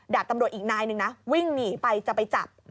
ดาบตำรวจอีกนายหนึ่งนะวิ่งหนีไปจะไปจับ